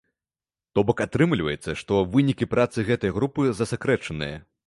То бок атрымліваецца, што вынікі працы гэтай групы засакрэчаныя.